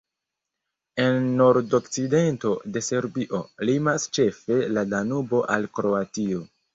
En nordokcidento de Serbio limas ĉefe la Danubo al Kroatio.